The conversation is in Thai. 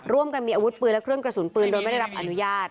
ร่วมกันมีอาวุธปืนและเครื่องกระสุนปืนโดยไม่ได้รับอนุญาต